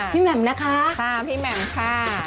แหม่มนะคะค่ะพี่แหม่มค่ะ